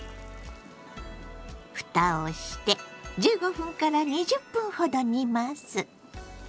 ふたをして１５分から２０分ほど煮ます。